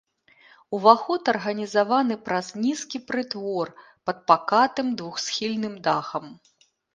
Уваход арганізаваны праз нізкі прытвор пад пакатым двухсхільным дахам.